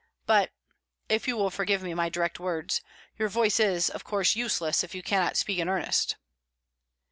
But if you will forgive me my direct words your voice is, of course, useless if you cannot speak in earnest."